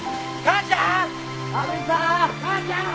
母ちゃん？